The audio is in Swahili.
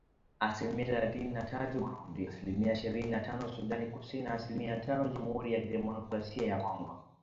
Asilimia thelathini na tatu Burundi ,asilimia ishirini na tano Sudan Kusini na asilimia tano Jamhuri ya Kidemokrasia ya Kongo